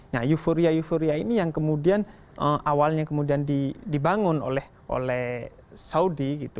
nah euforia euforia ini yang kemudian awalnya kemudian dibangun oleh saudi gitu